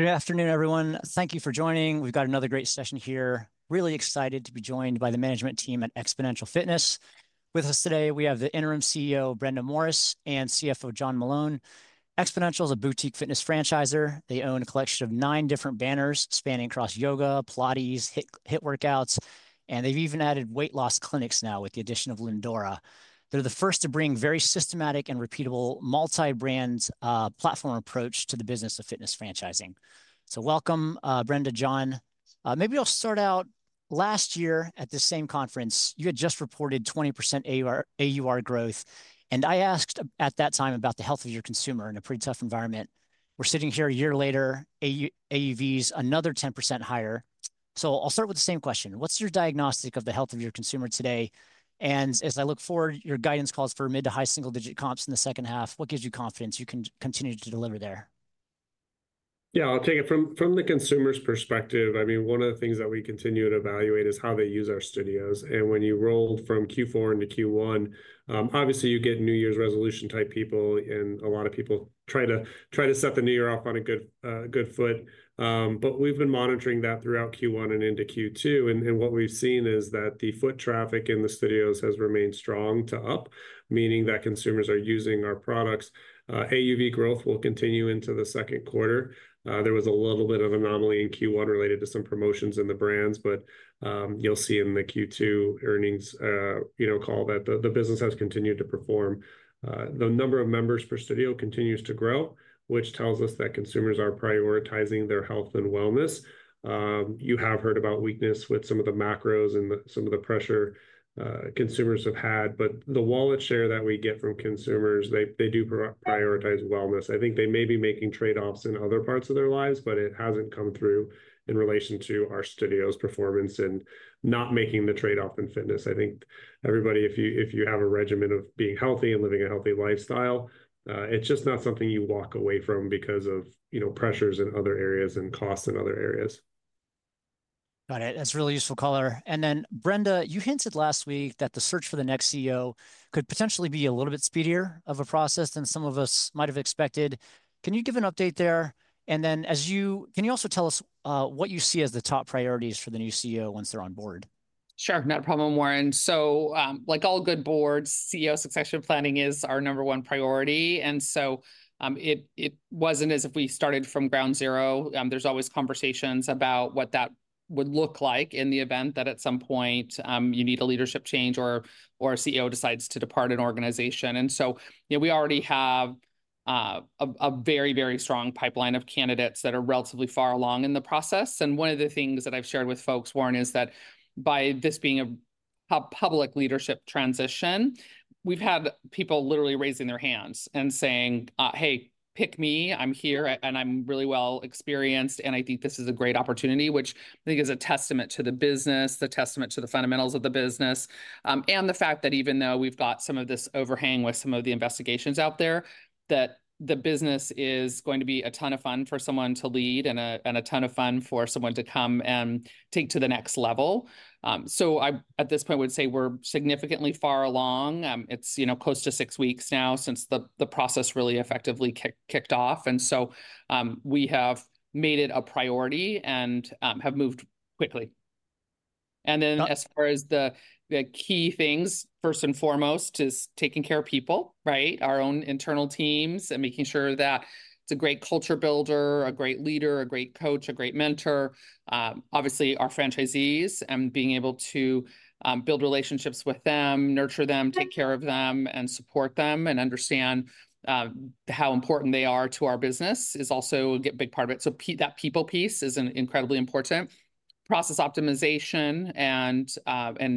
Good afternoon, everyone. Thank you for joining. We've got another great session here. Really excited to be joined by the management team at Xponential Fitness. With us today, we have the interim CEO, Brenda Morris, and CFO, John Meloun. Xponential is a boutique fitness franchisor. They own a collection of nine different banners spanning across yoga, Pilates, HIIT workouts, and they've even added weight loss clinics now with the addition of Lindora. They're the first to bring a very systematic and repeatable multi-brand platform approach to the business of fitness franchising. So welcome, Brenda, John. Maybe I'll start out. Last year, at this same conference, you had just reported 20% AUR growth, and I asked at that time about the health of your consumer in a pretty tough environment. We're sitting here a year later, AUV is another 10% higher. So I'll start with the same question. What's your diagnostic of the health of your consumer today? As I look forward, your guidance calls for mid to high single-digit comps in the second half. What gives you confidence you can continue to deliver there? Yeah, I'll take it from the consumer's perspective. I mean, one of the things that we continue to evaluate is how they use our studios. And when you roll from Q4 into Q1, obviously you get New Year's resolution-type people, and a lot of people try to set the New Year off on a good foot. But we've been monitoring that throughout Q1 and into Q2. And what we've seen is that the foot traffic in the studios has remained strong to up, meaning that consumers are using our products. AUV growth will continue into the second quarter. There was a little bit of anomaly in Q1 related to some promotions in the brands, but you'll see in the Q2 earnings call that the business has continued to perform. The number of members per studio continues to grow, which tells us that consumers are prioritizing their health and wellness. You have heard about weakness with some of the macros and some of the pressure consumers have had, but the wallet share that we get from consumers, they do prioritize wellness. I think they may be making trade-offs in other parts of their lives, but it hasn't come through in relation to our studios' performance and not making the trade-off in fitness. I think everybody, if you have a regimen of being healthy and living a healthy lifestyle, it's just not something you walk away from because of pressures in other areas and costs in other areas. Got it. That's a really useful color. And then, Brenda, you hinted last week that the search for the next CEO could potentially be a little bit speedier of a process than some of us might have expected. Can you give an update there? And then, can you also tell us what you see as the top priorities for the new CEO once they're on board? Sure. Not a problem, Warren. So like all good boards, CEO succession planning is our number one priority. And so it wasn't as if we started from ground zero. There's always conversations about what that would look like in the event that at some point you need a leadership change or a CEO decides to depart an organization. And so we already have a very, very strong pipeline of candidates that are relatively far along in the process. And one of the things that I've shared with folks, Warren, is that by this being a public leadership transition, we've had people literally raising their hands and saying, "Hey, pick me. I'm here and I'm really well experienced, and I think this is a great opportunity," which I think is a testament to the business, the testament to the fundamentals of the business, and the fact that even though we've got some of this overhang with some of the investigations out there, that the business is going to be a ton of fun for someone to lead and a ton of fun for someone to come and take to the next level. So I at this point would say we're significantly far along. It's close to six weeks now since the process really effectively kicked off. And so we have made it a priority and have moved quickly. And then as far as the key things, first and foremost is taking care of people, right? Our own internal teams and making sure that it's a great culture builder, a great leader, a great coach, a great mentor. Obviously, our franchisees and being able to build relationships with them, nurture them, take care of them, and support them and understand how important they are to our business is also a big part of it. So that people piece is incredibly important. Process optimization and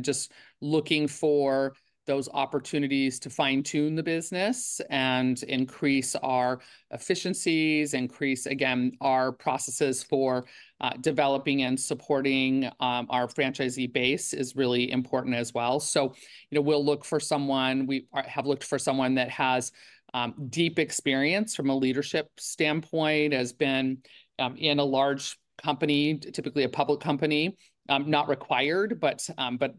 just looking for those opportunities to fine-tune the business and increase our efficiencies, increase, again, our processes for developing and supporting our franchisee base is really important as well. So we'll look for someone. We have looked for someone that has deep experience from a leadership standpoint, has been in a large company, typically a public company, not required, but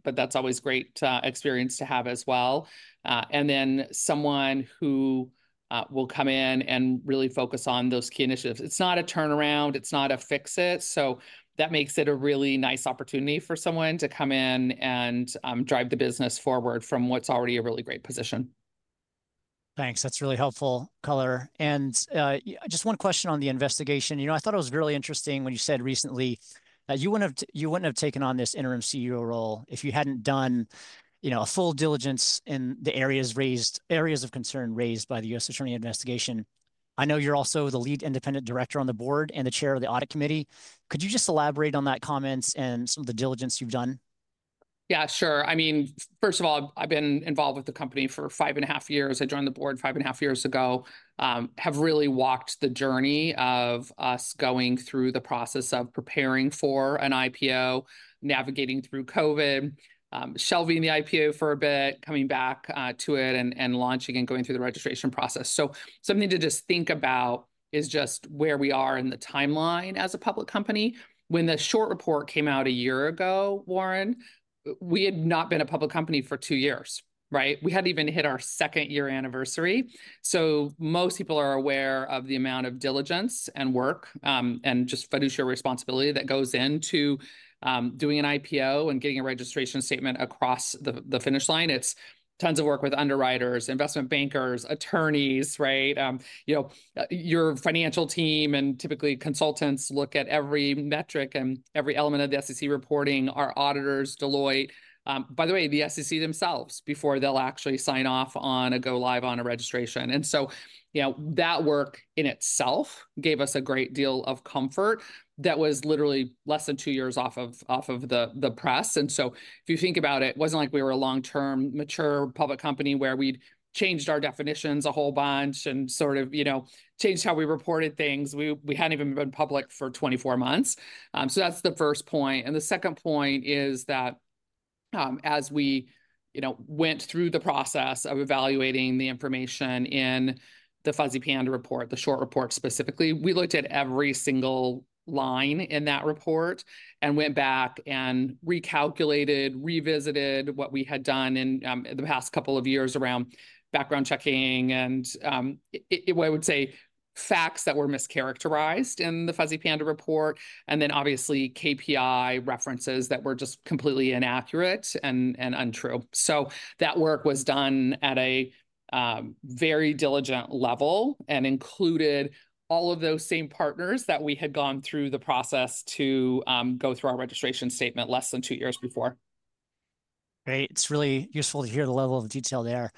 that's always great experience to have as well. And then someone who will come in and really focus on those key initiatives. It's not a turnaround. It's not a fix-it. That makes it a really nice opportunity for someone to come in and drive the business forward from what's already a really great position. Thanks. That's really helpful color. And just one question on the investigation. You know, I thought it was really interesting when you said recently that you wouldn't have taken on this interim CEO role if you hadn't done a full diligence in the areas of concern raised by the U.S. Attorney investigation. I know you're also the lead independent director on the board and the chair of the audit committee. Could you just elaborate on that comment and some of the diligence you've done? Yeah, sure. I mean, first of all, I've been involved with the company for five and a half years. I joined the board five and a half years ago. Have really walked the journey of us going through the process of preparing for an IPO, navigating through COVID, shelving the IPO for a bit, coming back to it and launching and going through the registration process. So something to just think about is just where we are in the timeline as a public company. When the short report came out a year ago, Warren, we had not been a public company for two years, right? We hadn't even hit our second year anniversary. So most people are aware of the amount of diligence and work and just fiduciary responsibility that goes into doing an IPO and getting a registration statement across the finish line. It's tons of work with underwriters, investment bankers, attorneys, right? Your financial team and typically consultants look at every metric and every element of the SEC reporting, our auditors, Deloitte, by the way, the SEC themselves before they'll actually sign off on a go-live on a registration. And so that work in itself gave us a great deal of comfort that was literally less than two years off of the press. And so if you think about it, it wasn't like we were a long-term mature public company where we'd changed our definitions a whole bunch and sort of changed how we reported things. We hadn't even been public for 24 months. So that's the first point. The second point is that as we went through the process of evaluating the information in the Fuzzy Panda report, the short report specifically, we looked at every single line in that report and went back and recalculated, revisited what we had done in the past couple of years around background checking and, I would say, facts that were mischaracterized in the Fuzzy Panda report, and then obviously KPI references that were just completely inaccurate and untrue. So that work was done at a very diligent level and included all of those same partners that we had gone through the process to go through our registration statement less than two years before. Great. It's really useful to hear the level of detail there.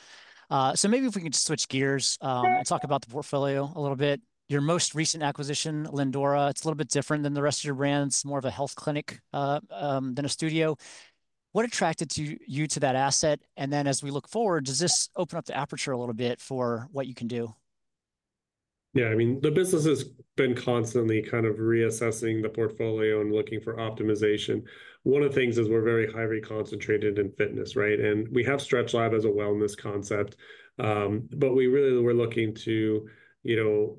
So maybe if we could switch gears and talk about the portfolio a little bit. Your most recent acquisition, Lindora, it's a little bit different than the rest of your brands. It's more of a health clinic than a studio. What attracted you to that asset? And then as we look forward, does this open up the aperture a little bit for what you can do? Yeah, I mean, the business has been constantly kind of reassessing the portfolio and looking for optimization. One of the things is we're very highly concentrated in fitness, right? And we have StretchLab as a wellness concept, but we really were looking to,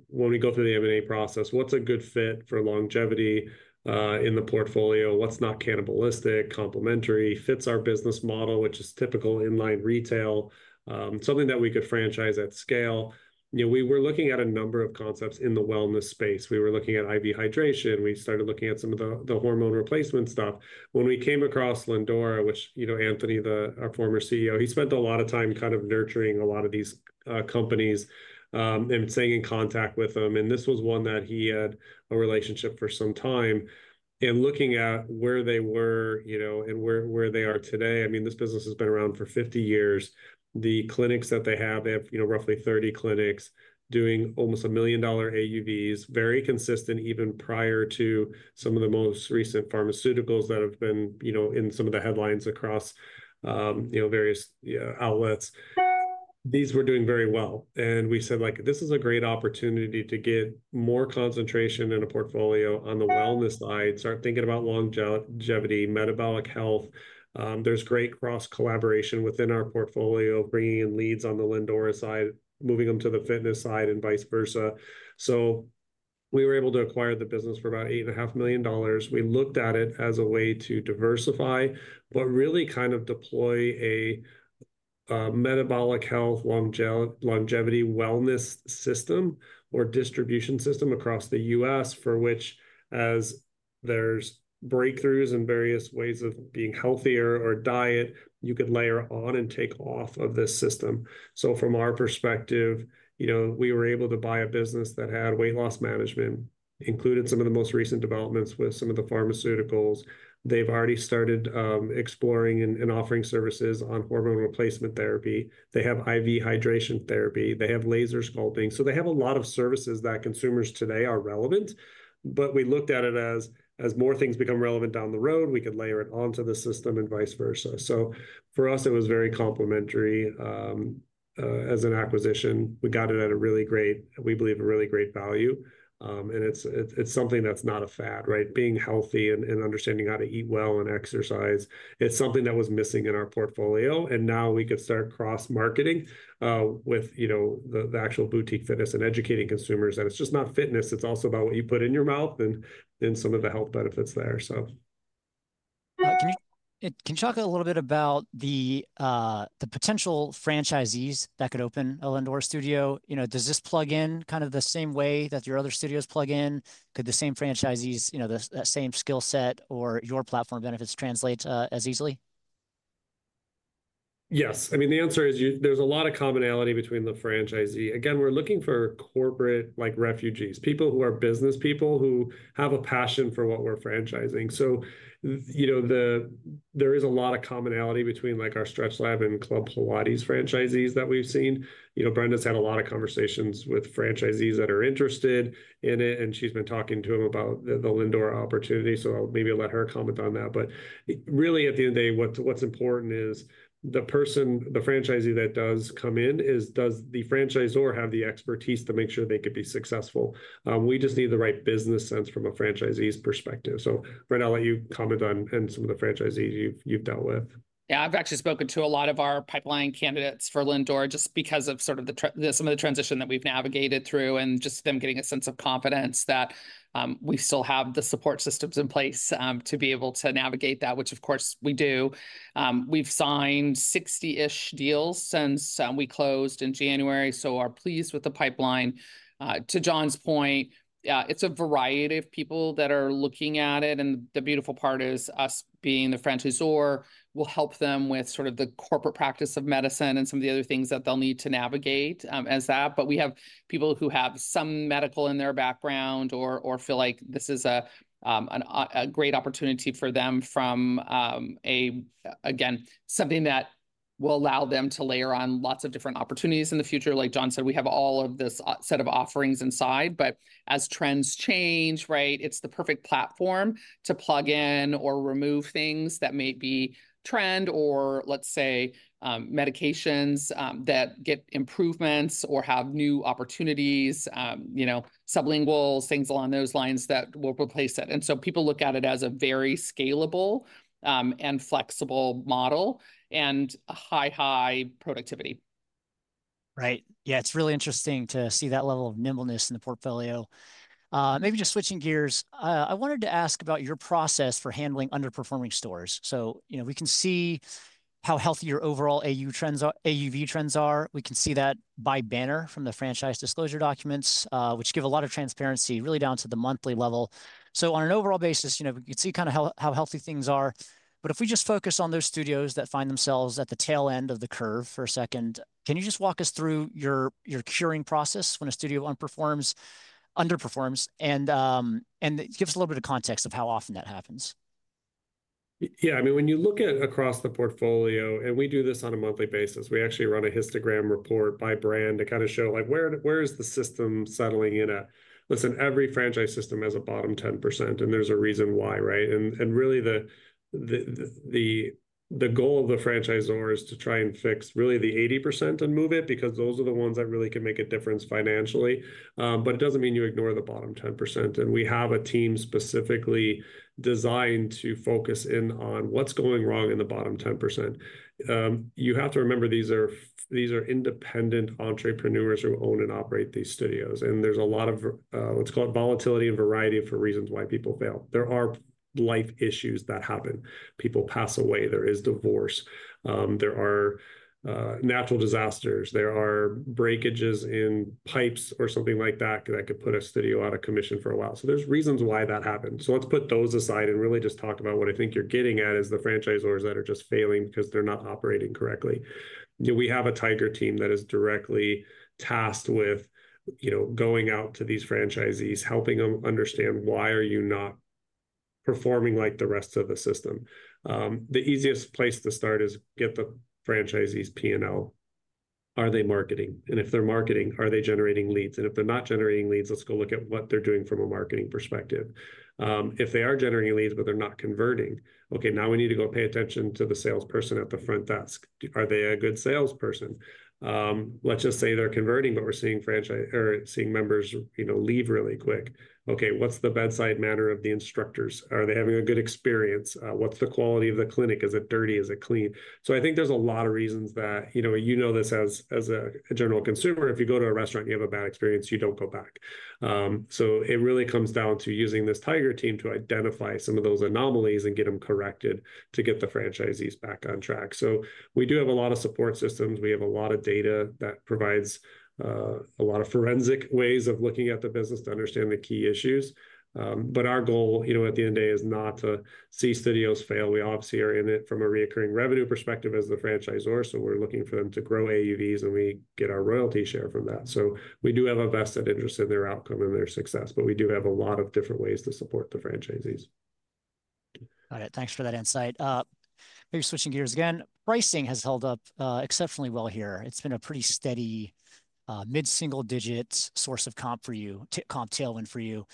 when we go through the M&A process, what's a good fit for longevity in the portfolio? What's not cannibalistic, complementary, fits our business model, which is typical in line retail, something that we could franchise at scale? We were looking at a number of concepts in the wellness space. We were looking at IV hydration. We started looking at some of the hormone replacement stuff. When we came across Lindora, which Anthony, our former CEO, he spent a lot of time kind of nurturing a lot of these companies and staying in contact with them. This was one that he had a relationship for some time. Looking at where they were and where they are today, I mean, this business has been around for 50 years. The clinics that they have, they have roughly 30 clinics doing almost $1 million AUVs, very consistent even prior to some of the most recent pharmaceuticals that have been in some of the headlines across various outlets. These were doing very well. We said, "This is a great opportunity to get more concentration in a portfolio on the wellness side, start thinking about longevity, metabolic health." There's great cross-collaboration within our portfolio, bringing in leads on the Lindora side, moving them to the fitness side and vice versa. So we were able to acquire the business for about $8.5 million. We looked at it as a way to diversify, but really kind of deploy a metabolic health, longevity wellness system or distribution system across the US for which, as there's breakthroughs in various ways of being healthier or diet, you could layer on and take off of this system. So from our perspective, we were able to buy a business that had weight loss management, included some of the most recent developments with some of the pharmaceuticals. They've already started exploring and offering services on hormone replacement therapy. They have IV hydration therapy. They have laser sculpting. So they have a lot of services that consumers today are relevant. But we looked at it as more things become relevant down the road, we could layer it onto the system and vice versa. So for us, it was very complementary as an acquisition. We got it at a really great, we believe, a really great value. And it's something that's not a fad, right? Being healthy and understanding how to eat well and exercise, it's something that was missing in our portfolio. And now we could start cross-marketing with the actual boutique fitness and educating consumers that it's just not fitness. It's also about what you put in your mouth and some of the health benefits there, so. Can you talk a little bit about the potential franchisees that could open a Lindora studio? Does this plug in kind of the same way that your other studios plug in? Could the same franchisees, that same skill set or your platform benefits translate as easily? Yes. I mean, the answer is there's a lot of commonality between the franchisee. Again, we're looking for corporate refugees, people who are business people who have a passion for what we're franchising. So there is a lot of commonality between our StretchLab and Club Pilates franchisees that we've seen. Brenda's had a lot of conversations with franchisees that are interested in it, and she's been talking to them about the Lindora opportunity. So maybe I'll let her comment on that. But really, at the end of the day, what's important is the person, the franchisee that does come in, does the franchisor have the expertise to make sure they could be successful? We just need the right business sense from a franchisee's perspective. So Brenda, I'll let you comment on some of the franchisees you've dealt with. Yeah, I've actually spoken to a lot of our pipeline candidates for Lindora just because of sort of some of the transition that we've navigated through and just them getting a sense of confidence that we still have the support systems in place to be able to navigate that, which of course we do. We've signed 60-ish deals since we closed in January, so are pleased with the pipeline. To John's point, it's a variety of people that are looking at it. And the beautiful part is us being the franchisor will help them with sort of the corporate practice of medicine and some of the other things that they'll need to navigate as that. But we have people who have some medical in their background or feel like this is a great opportunity for them from, again, something that will allow them to layer on lots of different opportunities in the future. Like John said, we have all of this set of offerings inside, but as trends change, right, it's the perfect platform to plug in or remove things that may be trend or let's say medications that get improvements or have new opportunities, sublinguals, things along those lines that will replace it. And so people look at it as a very scalable and flexible model and high, high productivity. Right. Yeah, it's really interesting to see that level of nimbleness in the portfolio. Maybe just switching gears, I wanted to ask about your process for handling underperforming stores. So we can see how healthy your overall AUV trends are. We can see that by banner from the franchise disclosure documents, which give a lot of transparency really down to the monthly level. So on an overall basis, we can see kind of how healthy things are. But if we just focus on those studios that find themselves at the tail end of the curve for a second, can you just walk us through your curing process when a studio underperforms and give us a little bit of context of how often that happens? Yeah, I mean, when you look at across the portfolio, and we do this on a monthly basis, we actually run a histogram report by brand to kind of show where is the system settling in at. Listen, every franchise system has a bottom 10%, and there's a reason why, right? And really, the goal of the franchisor is to try and fix really the 80% and move it because those are the ones that really can make a difference financially. But it doesn't mean you ignore the bottom 10%. And we have a team specifically designed to focus in on what's going wrong in the bottom 10%. You have to remember, these are independent entrepreneurs who own and operate these studios. And there's a lot of, let's call it volatility and variety for reasons why people fail. There are life issues that happen. People pass away. There is divorce. There are natural disasters. There are breakages in pipes or something like that that could put a studio out of commission for a while. So there's reasons why that happens. So let's put those aside and really just talk about what I think you're getting at is the franchisors that are just failing because they're not operating correctly. We have a Tiger Team that is directly tasked with going out to these franchisees, helping them understand why are you not performing like the rest of the system. The easiest place to start is get the franchisee's P&L. Are they marketing? And if they're marketing, are they generating leads? And if they're not generating leads, let's go look at what they're doing from a marketing perspective. If they are generating leads, but they're not converting, okay, now we need to go pay attention to the salesperson at the front desk. Are they a good salesperson? Let's just say they're converting, but we're seeing members leave really quick. Okay, what's the bedside manner of the instructors? Are they having a good experience? What's the quality of the clinic? Is it dirty? Is it clean? So I think there's a lot of reasons that you know this as a general consumer. If you go to a restaurant, you have a bad experience, you don't go back. So it really comes down to using this Tiger Team to identify some of those anomalies and get them corrected to get the franchisees back on track. So we do have a lot of support systems. We have a lot of data that provides a lot of forensic ways of looking at the business to understand the key issues. But our goal at the end of the day is not to see studios fail. We obviously are in it from a recurring revenue perspective as the franchisor. So we're looking for them to grow AUVs and we get our royalty share from that. So we do have a vested interest in their outcome and their success, but we do have a lot of different ways to support the franchisees. Got it. Thanks for that insight. Maybe switching gears again. Pricing has held up exceptionally well here. It's been a pretty steady mid-single digit source of comp tailwind for you.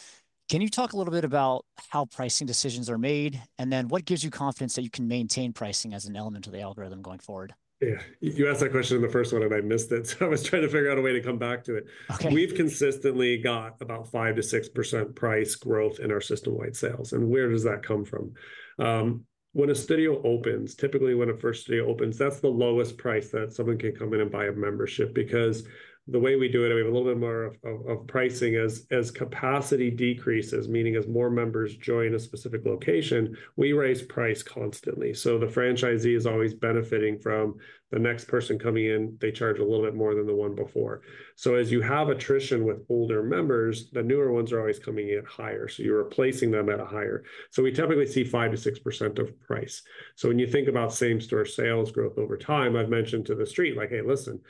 Can you talk a little bit about how pricing decisions are made and then what gives you confidence that you can maintain pricing as an element of the algorithm going forward? Yeah. You asked that question in the first one and I missed it, so I was trying to figure out a way to come back to it. We've consistently got about 5%-6% price growth in our system-wide sales. Where does that come from? When a studio opens, typically when a first studio opens, that's the lowest price that someone can come in and buy a membership because the way we do it, we have a little bit more of pricing as capacity decreases, meaning as more members join a specific location, we raise price constantly. So the franchisee is always benefiting from the next person coming in. They charge a little bit more than the one before. So as you have attrition with older members, the newer ones are always coming in at higher. So you're replacing them at a higher. So we typically see 5%-6% of price. So when you think about same-store sales growth over time, I've mentioned to the street like, "Hey, listen,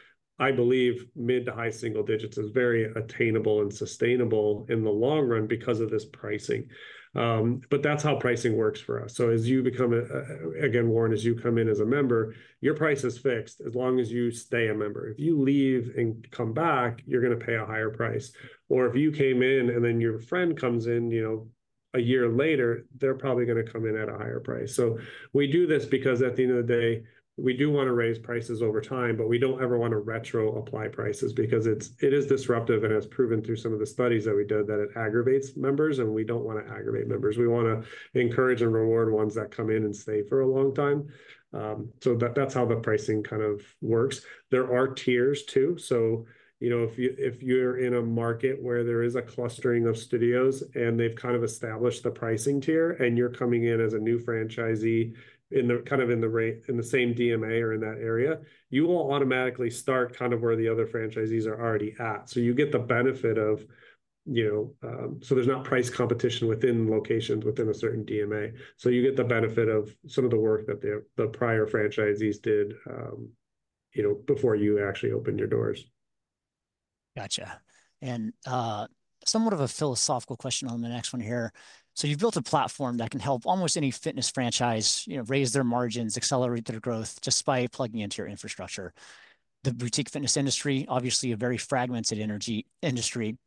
I believe mid to high single digits is very attainable and sustainable in the long run because of this pricing." But that's how pricing works for us. So as you become, again, Warren, as you come in as a member, your price is fixed as long as you stay a member. If you leave and come back, you're going to pay a higher price. Or if you came in and then your friend comes in a year later, they're probably going to come in at a higher price. We do this because at the end of the day, we do want to raise prices over time, but we don't ever want to retro-apply prices because it is disruptive and has proven through some of the studies that we did that it aggravates members, and we don't want to aggravate members. We want to encourage and reward ones that come in and stay for a long time. That's how the pricing kind of works. There are tiers too. If you're in a market where there is a clustering of studios and they've kind of established the pricing tier and you're coming in as a new franchisee kind of in the same DMA or in that area, you will automatically start kind of where the other franchisees are already at. You get the benefit of, so there's not price competition within locations within a certain DMA. So you get the benefit of some of the work that the prior franchisees did before you actually opened your doors. Gotcha. And somewhat of a philosophical question on the next one here. So you've built a platform that can help almost any fitness franchise raise their margins, accelerate their growth just by plugging into your infrastructure. The boutique fitness industry, obviously a very fragmented industry.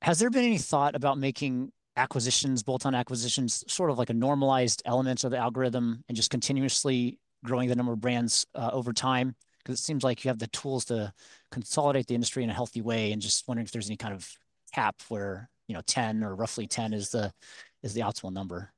Has there been any thought about making acquisitions, bolt-on acquisitions, sort of like a normalized element of the algorithm and just continuously growing the number of brands over time? Because it seems like you have the tools to consolidate the industry in a healthy way and just wondering if there's any kind of cap where 10 or roughly 10 is the optimal number?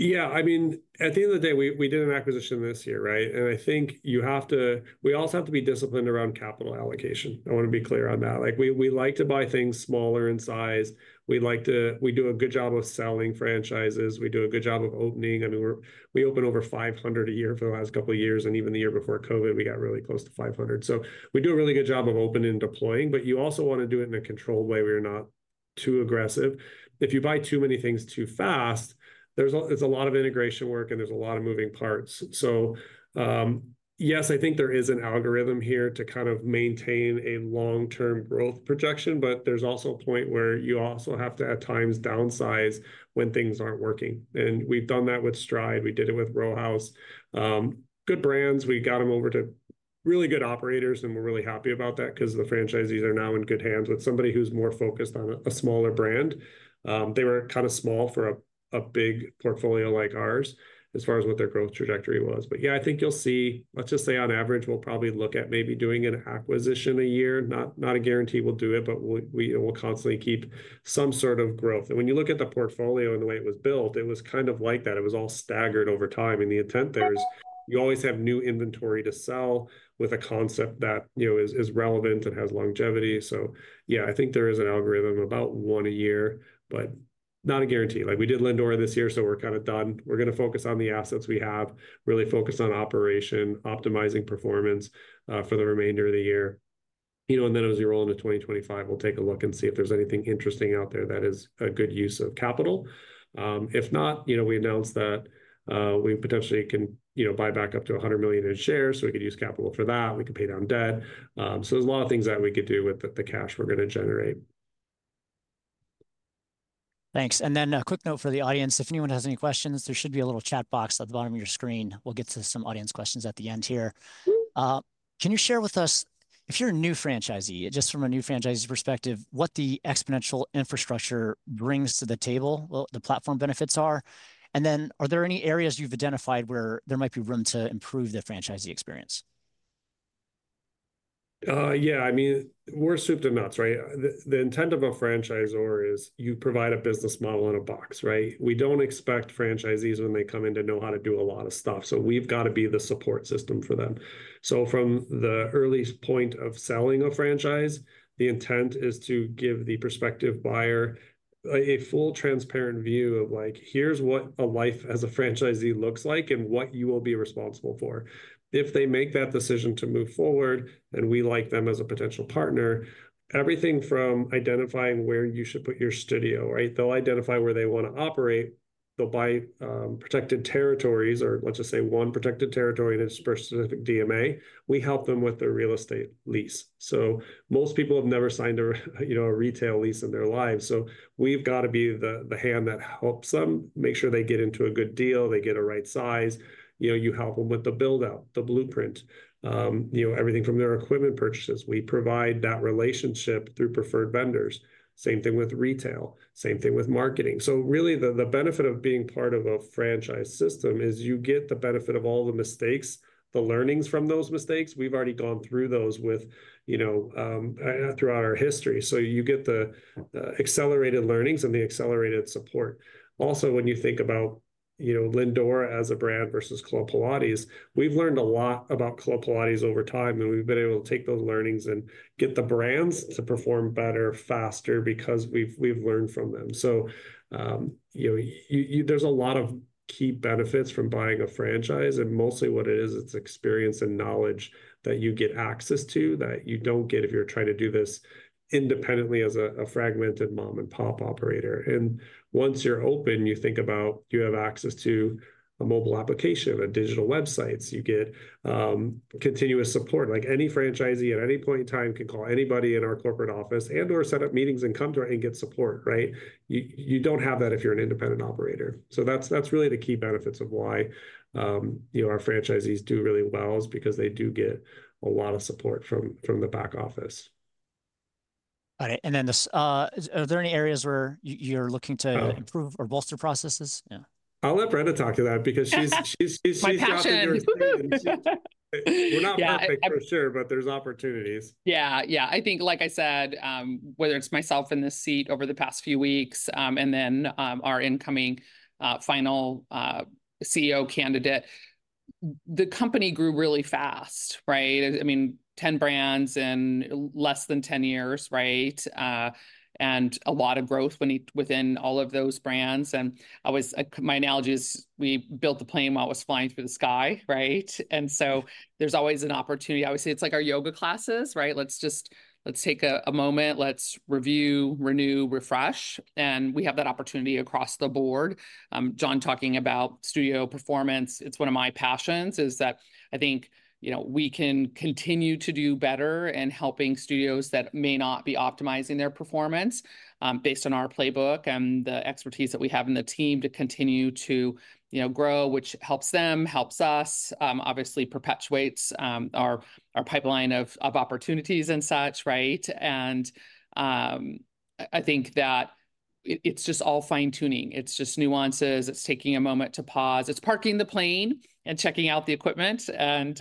Yeah. I mean, at the end of the day, we did an acquisition this year, right? And I think you have to, we also have to be disciplined around capital allocation. I want to be clear on that. We like to buy things smaller in size. We do a good job of selling franchises. We do a good job of opening. I mean, we open over 500 a year for the last couple of years. And even the year before COVID, we got really close to 500. So we do a really good job of opening and deploying, but you also want to do it in a controlled way where you're not too aggressive. If you buy too many things too fast, there's a lot of integration work and there's a lot of moving parts. So yes, I think there is an algorithm here to kind of maintain a long-term growth projection, but there's also a point where you also have to at times downsize when things aren't working. And we've done that with Stride. We did it with Row House. Good brands. We got them over to really good operators, and we're really happy about that because the franchisees are now in good hands with somebody who's more focused on a smaller brand. They were kind of small for a big portfolio like ours as far as what their growth trajectory was. But yeah, I think you'll see, let's just say on average, we'll probably look at maybe doing an acquisition a year. Not a guarantee we'll do it, but we'll constantly keep some sort of growth. When you look at the portfolio and the way it was built, it was kind of like that. It was all staggered over time. The intent there is you always have new inventory to sell with a concept that is relevant and has longevity. So yeah, I think there is an algorithm about one a year, but not a guarantee. We did Lindora this year, so we're kind of done. We're going to focus on the assets we have, really focus on operation, optimizing performance for the remainder of the year. Then as we roll into 2025, we'll take a look and see if there's anything interesting out there that is a good use of capital. If not, we announced that we potentially can buy back up to $100 million in shares, so we could use capital for that. We could pay down debt. There's a lot of things that we could do with the cash we're going to generate. Thanks. Then a quick note for the audience. If anyone has any questions, there should be a little chat box at the bottom of your screen. We'll get to some audience questions at the end here. Can you share with us, if you're a new franchisee, just from a new franchisee perspective, what the Xponential infrastructure brings to the table, what the platform benefits are? And then are there any areas you've identified where there might be room to improve the franchisee experience? Yeah. I mean, we're soup to nuts, right? The intent of a franchisor is you provide a business model in a box, right? We don't expect franchisees when they come in to know how to do a lot of stuff. So we've got to be the support system for them. So from the earliest point of selling a franchise, the intent is to give the prospective buyer a full transparent view of like, here's what a life as a franchisee looks like and what you will be responsible for. If they make that decision to move forward and we like them as a potential partner, everything from identifying where you should put your studio, right? They'll identify where they want to operate. They'll buy protected territories or let's just say one protected territory and it's for specific DMA. We help them with their real estate lease. So most people have never signed a retail lease in their lives. So we've got to be the hand that helps them make sure they get into a good deal, they get a right size. You help them with the build-up, the blueprint, everything from their equipment purchases. We provide that relationship through preferred vendors. Same thing with retail. Same thing with marketing. So really the benefit of being part of a franchise system is you get the benefit of all the mistakes, the learnings from those mistakes. We've already gone through those throughout our history. So you get the accelerated learnings and the accelerated support. Also, when you think about Lindora as a brand versus Club Pilates, we've learned a lot about Club Pilates over time, and we've been able to take those learnings and get the brands to perform better, faster because we've learned from them. So there's a lot of key benefits from buying a franchise, and mostly what it is, it's experience and knowledge that you get access to that you don't get if you're trying to do this independently as a fragmented mom-and-pop operator. And once you're open, you think about you have access to a mobile application, a digital website. You get continuous support. Any franchisee at any point in time can call anybody in our corporate office and/or set up meetings and come to it and get support, right? You don't have that if you're an independent operator. So that's really the key benefits of why our franchisees do really well is because they do get a lot of support from the back office. Got it. And then are there any areas where you're looking to improve or bolster processes? Yeah. I'll let Brenda talk to that because she's got to do it. We're not perfect for sure, but there's opportunities. Yeah. Yeah. I think, like I said, whether it's myself in this seat over the past few weeks and then our incoming final CEO candidate, the company grew really fast, right? I mean, 10 brands in less than 10 years, right? And a lot of growth within all of those brands. And my analogy is we built the plane while it was flying through the sky, right? And so there's always an opportunity. Obviously, it's like our yoga classes, right? Let's take a moment. Let's review, renew, refresh. And we have that opportunity across the board. John talking about studio performance. It's one of my passions is that I think we can continue to do better in helping studios that may not be optimizing their performance based on our playbook and the expertise that we have in the team to continue to grow, which helps them, helps us, obviously perpetuates our pipeline of opportunities and such, right? And I think that it's just all fine-tuning. It's just nuances. It's taking a moment to pause. It's parking the plane and checking out the equipment and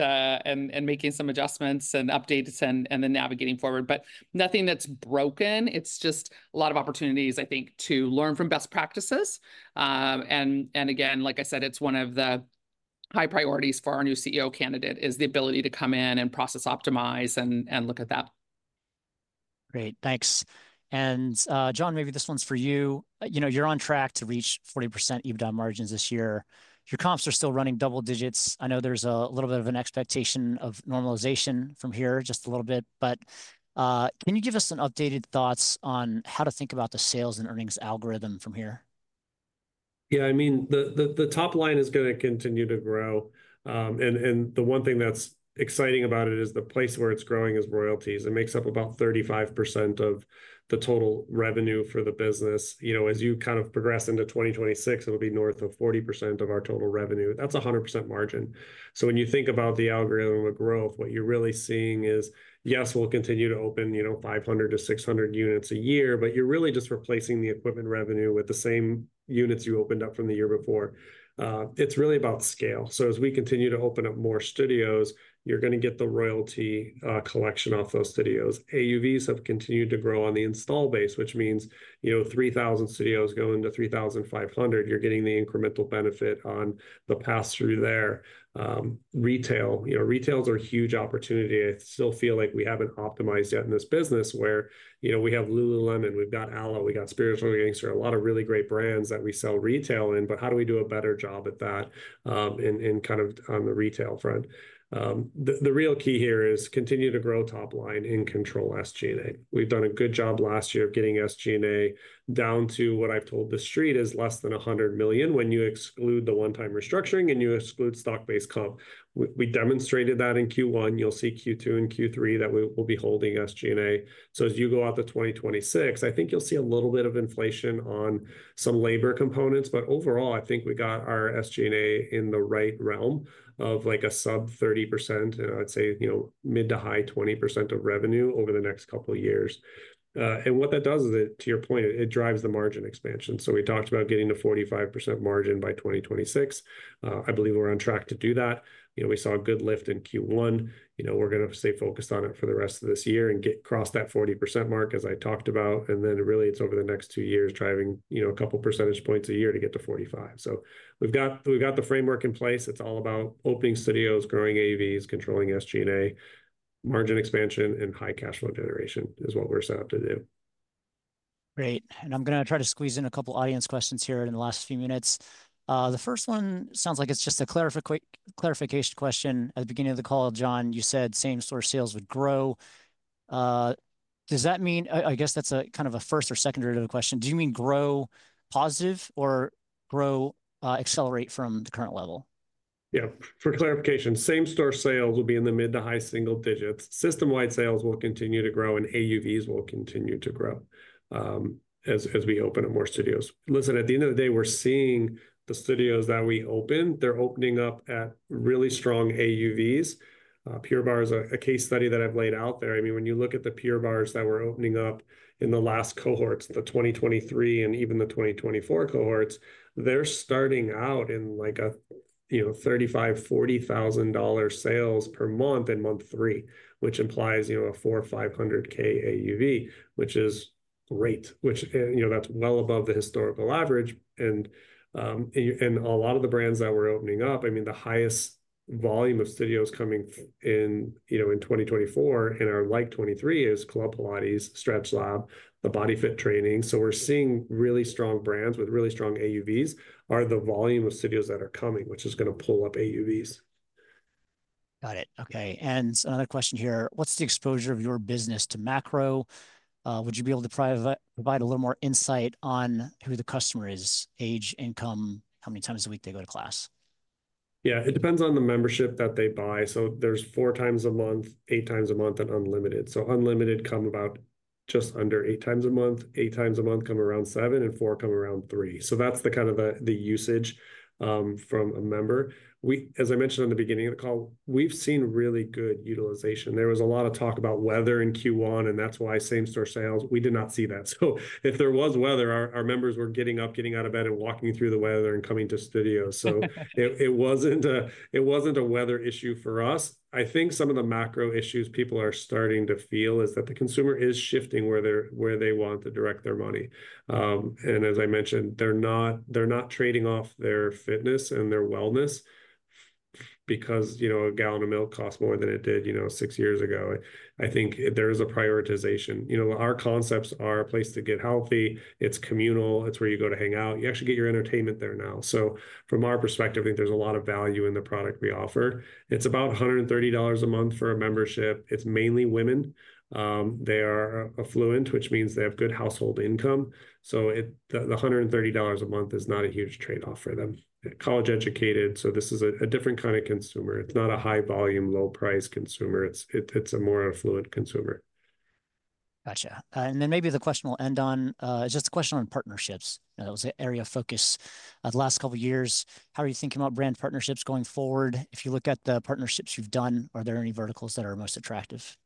making some adjustments and updates and then navigating forward. But nothing that's broken. It's just a lot of opportunities, I think, to learn from best practices. And again, like I said, it's one of the high priorities for our new CEO candidate is the ability to come in and process optimize and look at that. Great. Thanks. John, maybe this one's for you. You're on track to reach 40% EBITDA margins this year. Your comps are still running double digits. I know there's a little bit of an expectation of normalization from here just a little bit. But can you give us some updated thoughts on how to think about the sales and earnings algorithm from here? Yeah. I mean, the top line is going to continue to grow. And the one thing that's exciting about it is the place where it's growing is royalties. It makes up about 35% of the total revenue for the business. As you kind of progress into 2026, it'll be north of 40% of our total revenue. That's a 100% margin. So when you think about the algorithm of growth, what you're really seeing is, yes, we'll continue to open 500-600 units a year, but you're really just replacing the equipment revenue with the same units you opened up from the year before. It's really about scale. So as we continue to open up more studios, you're going to get the royalty collection off those studios. AUVs have continued to grow on the install base, which means 3,000 studios go into 3,500. You're getting the incremental benefit on the pass-through there. Retail. Retail is a huge opportunity. I still feel like we haven't optimized yet in this business where we have Lululemon, we've got Alo, we've got Spiritual Gangster, there are a lot of really great brands that we sell retail in, but how do we do a better job at that kind of on the retail front? The real key here is continue to grow top line in control SG&A. We've done a good job last year of getting SG&A down to what I've told the street is less than $100 million when you exclude the one-time restructuring and you exclude stock-based comp. We demonstrated that in Q1. You'll see Q2 and Q3 that we will be holding SG&A. So as you go out to 2026, I think you'll see a little bit of inflation on some labor components. But overall, I think we got our SG&A in the right realm of like a sub 30%, and I'd say mid- to high 20% of revenue over the next couple of years. And what that does is, to your point, it drives the margin expansion. So we talked about getting to 45% margin by 2026. I believe we're on track to do that. We saw a good lift in Q1. We're going to stay focused on it for the rest of this year and get across that 40% mark as I talked about. And then really it's over the next two years driving a couple of percentage points a year to get to 45. So we've got the framework in place. It's all about opening studios, growing AUVs, controlling SG&A, margin expansion, and high cash flow generation is what we're set up to do. Great. I'm going to try to squeeze in a couple of audience questions here in the last few minutes. The first one sounds like it's just a clarification question. At the beginning of the call, John, you said same-store sales would grow. Does that mean, I guess that's a kind of a first or second-order question. Do you mean grow positive or grow accelerate from the current level? Yeah. For clarification, same-store sales will be in the mid to high single digits. System-wide sales will continue to grow and AUVs will continue to grow as we open up more studios. Listen, at the end of the day, we're seeing the studios that we open, they're opening up at really strong AUVs. Pure Barre is a case study that I've laid out there. I mean, when you look at the Pure Barre that were opening up in the last cohorts, the 2023 and even the 2024 cohorts, they're starting out in like $35,000-$40,000 sales per month in month three, which implies a 4,500K AUV, which is great. That's well above the historical average. And a lot of the brands that we're opening up, I mean, the highest volume of studios coming in 2024 and are like '23 is Club Pilates, StretchLab, the Body Fit Training. We're seeing really strong brands with really strong AUVs, the volume of studios that are coming, which is going to pull up AUVs. Got it. Okay. Another question here. What's the exposure of your business to macro? Would you be able to provide a little more insight on who the customer is, age, income, how many times a week they go to class? Yeah. It depends on the membership that they buy. So there's 4 times a month, 8 times a month, and unlimited. So unlimited come about just under 8 times a month, 8 times a month come around 7, and 4 come around 3. So that's the kind of the usage from a member. As I mentioned in the beginning of the call, we've seen really good utilization. There was a lot of talk about weather in Q1, and that's why same-store sales. We did not see that. So if there was weather, our members were getting up, getting out of bed and walking through the weather and coming to studios. So it wasn't a weather issue for us. I think some of the macro issues people are starting to feel is that the consumer is shifting where they want to direct their money. As I mentioned, they're not trading off their fitness and their wellness because a gallon of milk costs more than it did six years ago. I think there is a prioritization. Our concepts are a place to get healthy. It's communal. It's where you go to hang out. You actually get your entertainment there now. So from our perspective, I think there's a lot of value in the product we offer. It's about $130 a month for a membership. It's mainly women. They are affluent, which means they have good household income. So the $130 a month is not a huge trade-off for them. College-educated, so this is a different kind of consumer. It's not a high-volume, low-price consumer. It's more of a fluid consumer. Gotcha. And then maybe the question we'll end on is just a question on partnerships. That was an area of focus the last couple of years. How are you thinking about brand partnerships going forward? If you look at the partnerships you've done, are there any verticals that are most attractive?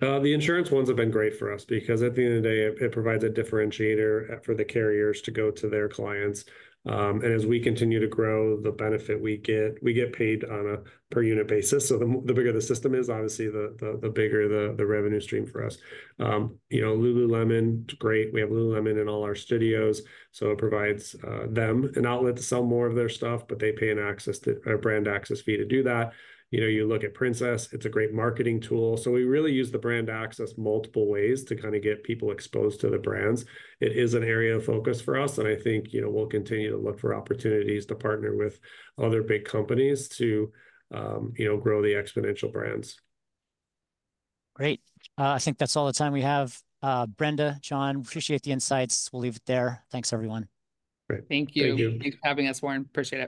The insurance ones have been great for us because at the end of the day, it provides a differentiator for the carriers to go to their clients. And as we continue to grow, the benefit we get, we get paid on a per-unit basis. So the bigger the system is, obviously, the bigger the revenue stream for us. Lululemon, great. We have Lululemon in all our studios. So it provides them an outlet to sell more of their stuff, but they pay an access fee, a brand access fee to do that. You look at Princess. It's a great marketing tool. So we really use the brand access multiple ways to kind of get people exposed to the brands. It is an area of focus for us. And I think we'll continue to look for opportunities to partner with other big companies to grow the exponential brands. Great. I think that's all the time we have. Brenda, John, appreciate the insights. We'll leave it there. Thanks, everyone. Great. Thank you. Thank you. Thanks for having us, Warren. Appreciate it.